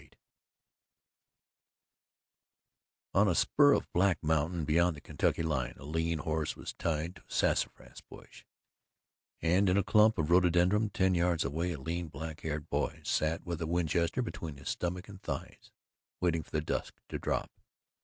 VIII On a spur of Black Mountain, beyond the Kentucky line, a lean horse was tied to a sassafras bush, and in a clump of rhododendron ten yards away, a lean black haired boy sat with a Winchester between his stomach and thighs waiting for the dusk to drop.